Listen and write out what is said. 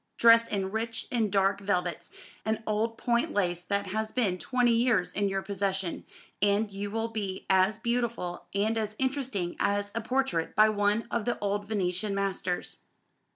Dress in rich and dark velvets, and old point lace that has been twenty years in your possession, and you will be as beautiful and as interesting as a portrait by one of the old Venetian masters.